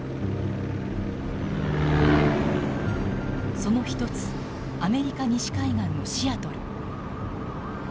その一つアメリカ西海岸のシアトル。